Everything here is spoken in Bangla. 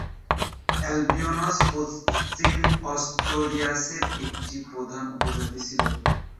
আলবিয়ন্স পশ্চিম আস্তুরিয়াসের একটি প্রধান উপজাতি ছিল।